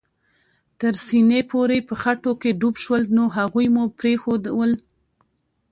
تر سېنې پورې په خټو کې ډوب شول، نو هغوی مو پرېښوول.